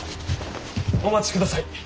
お待ちください。